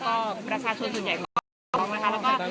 ก็ประชาชนส่วนใหญ่หรอกนะคะ